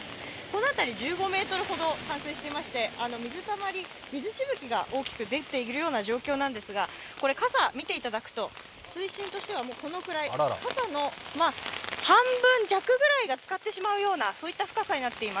この辺り１５ｍほど冠水していまして水たまり、水しぶきが大きく出ている状況なんですが傘を見ていただくと、水深としてはこのくらい、傘の半分弱ぐらいがつかってしまうような深さになっています。